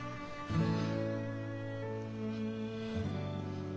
うん。